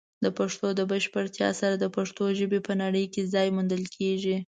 د پښتو د بشپړتیا سره، د پښتو ژبې په نړۍ کې ځای موندل کیږي.